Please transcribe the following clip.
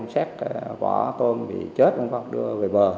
xét vỏ tôm bị chết đưa về bờ